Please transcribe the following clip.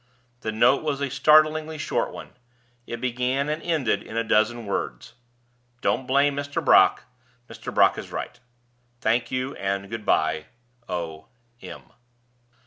The note was a startlingly short one; it began and ended in a dozen words: "Don't blame Mr. Brock; Mr. Brock is right. Thank you, and good by. O. M."